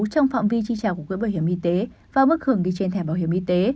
trong phạm vi chi trả của quỹ bảo hiểm y tế và mức hưởng ghi trên thẻ bảo hiểm y tế